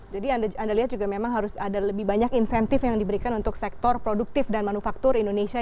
jadi anda lihat juga memang harus ada lebih banyak insentif yang diberikan untuk sektor produktif dan manufaktur indonesia